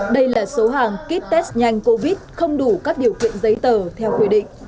đây là số hàng kit test nhanh covid không đủ các điều kiện giấy tờ theo quy định